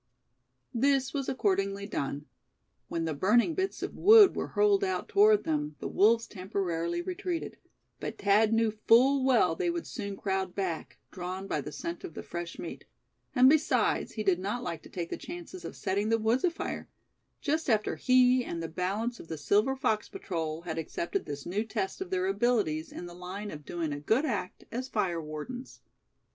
This was accordingly done. When the burning bits of wood were hurled out toward them, the wolves temporarily retreated; but Thad knew full well they would soon crowd back, drawn by the scent of the fresh meat; and besides, he did not like to take the chances of setting the woods afire; just after he, and the balance of the Silver Fox Patrol, had accepted this new test of their abilities in the line of doing a good act as fire wardens.